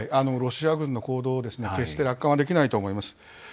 ロシア軍の行動を、決して楽観はできないと思います。